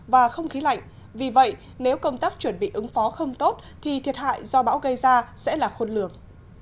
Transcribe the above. và không khí lạnh vì vậy nếu công tác chuẩn bị ứng phó không tốt thì thiệt hại do bão gây ra sẽ là khôn lường